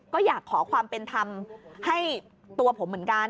ก็อยากขอความเป็นธรรมให้ตัวผมเหมือนกัน